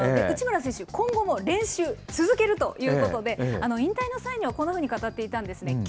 内村選手、今後も練習続けるということで、引退の際にはこういうふうに語っていたんですね。